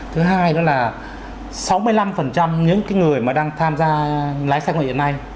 thứ hai đó là sáu mươi năm những cái người mà đang tham gia lái xe ngoài hiện nay